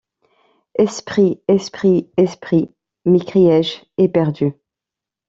Esprit! esprit ! esprit ! m’écriai-je éperdu.